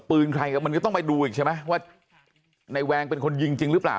บื่อใครมาที่ไม่ดูไอใช่ไหมวะในแหวงเป็นคนยิงจริงรึเปล่า